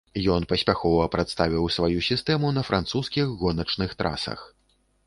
Ён паспяхова прадставіў сваю сістэму на французскіх гоначных трасах.